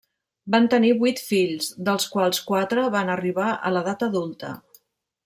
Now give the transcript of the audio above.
Van tenir vuit fills, dels quals quatre van arribar a l'edat adulta.